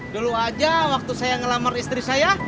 dulu aja waktu saya ngelamar istri saya